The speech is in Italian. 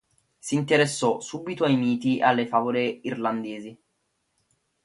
Si interessò subito ai miti e alle favole irlandesi.